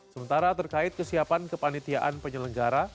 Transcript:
sementara terkait kesiapan kepanitiaan penyelenggara